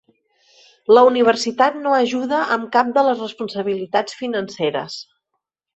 La universitat no ajuda amb cap de les responsabilitats financeres.